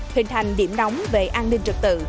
hình thành điểm nóng về an ninh trật tự